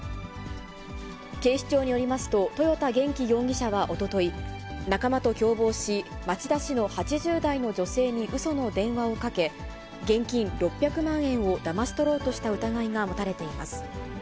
警視庁によりますと、豊田元気容疑者はおととい、仲間と共謀し、町田市の８０代の女性にうその電話をかけ、現金６００万円をだまし取ろうとした疑いが持たれています。